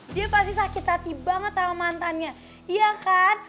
dia pasti sakit hati banget sama mantannya iya kan